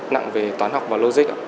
nặng về toán học và logic